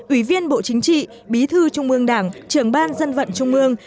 ủy viên bộ chính trị bí thư trung mương đảng trường ban dân vận trung mương